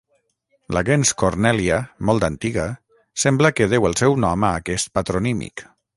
La gens Cornèlia, molt antiga, sembla que deu el seu nom a aquest patronímic.